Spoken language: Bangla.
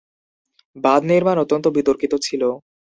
বাঁধ নির্মাণ অত্যন্ত বিতর্কিত ছিল।